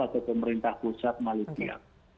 atau pemerintah pusat malaysia